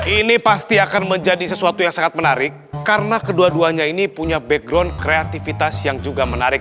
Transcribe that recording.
ini pasti akan menjadi sesuatu yang sangat menarik karena kedua duanya ini punya background kreativitas yang juga menarik